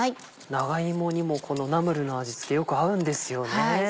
長芋にもこのナムルの味付けよく合うんですよね。